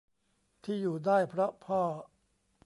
ที่อยู่ได้เพราะพ่อ